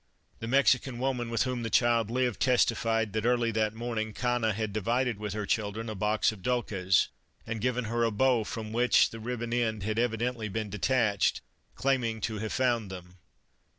The Mexican woman with whom the child lived testified that early that morning Cana had di vided with her children a box of dukes, and had given her a bow from which the ribbon end had evi dently been detached, claiming to have found them.